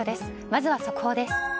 まずは速報です。